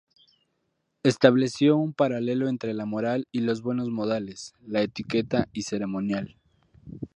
Estableció un paralelo entre la moral y los buenos modales, la etiqueta y ceremonial.